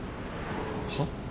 はっ？